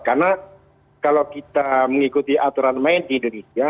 karena kalau kita mengikuti aturan main di indonesia